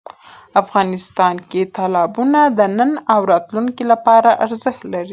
افغانستان کې تالابونه د نن او راتلونکي لپاره ارزښت لري.